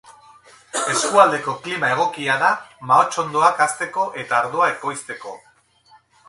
Eskualdeko klima egokia da mahatsondoak hazteko eta ardoa ekoizteko.